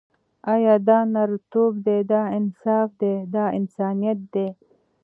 آیا دا نرتوب دی، دا انصاف دی، دا انسانیت دی.